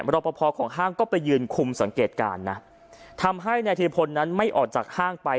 รอปภของห้างก็ไปยืนคุมสังเกตการณ์นะทำให้นายเทพลนั้นไม่ออกจากห้างไป